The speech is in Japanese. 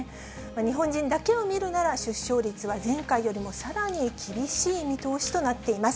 日本人だけを見るなら、出生率は前回よりもさらに厳しい見通しとなっています。